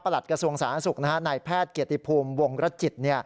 ประหลัดกระทรวงสาธารณสุขนายแพทย์เกียรติภูมิวงฤทธิ์จิต